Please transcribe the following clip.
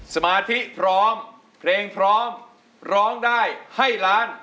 สมาธิพร้อมเพลงพร้อมร้องได้ให้ล้าน